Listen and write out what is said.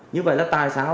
như vậy là tại sao